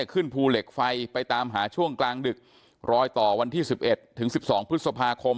ขึ้นภูเหล็กไฟไปตามหาช่วงกลางดึกรอยต่อวันที่๑๑ถึง๑๒พฤษภาคม